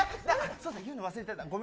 そうだ、言うの忘れては。